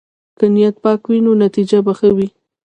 که نیت پاک وي، نو نتیجه به ښه وي.